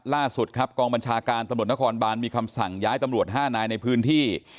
ล่าสุดครับกองบัญชาการตำรวจนครบานมีคำสั่งย้ายตำรวจ๕นายในพื้นที่